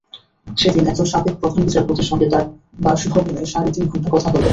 সেদিন একজন সাবেক প্রধান বিচারপতির সঙ্গে তাঁর বাসভবনে সাড়ে তিন ঘণ্টা কথা হলো।